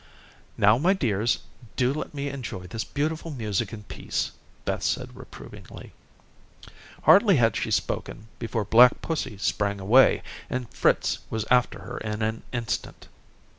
"Now, my dears, do let me enjoy this beautiful music in peace," Beth said reprovingly. Hardly had she spoken, before black pussy sprang away, and Fritz was after her in an instant.